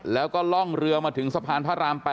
แล้วก็ล่องเรือมาถึงสะพานพระราม๘